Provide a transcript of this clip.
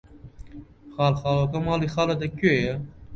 خاڵخاڵۆکە، ماڵی خاڵت لەکوێیە؟!